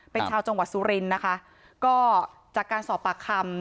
เป็นชาวจังหวัดสุรินทร์นะคะก็จากการสอบปากคำ